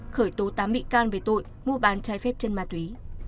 khởi tố tám bị can về tội mua bán trái phép chân ma túy